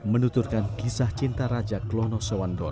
menuturkan kisah cinta raja klono sewandon